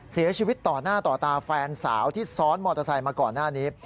เสียชีวิตต่อหน้าต่อตาแฟนสาวที่ซ้อนมอเตอร์ไซค์มาก่อนหน้านี้